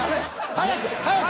早く早く。